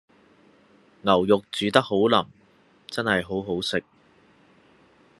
牛肉煮得好腍，真係好好食